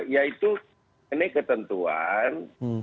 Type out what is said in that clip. yaitu ini ketentuan